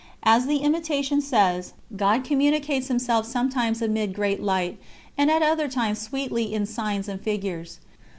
As the Imitation says: "God communicates Himself sometimes amid great light, at other times sweetly in signs and figures."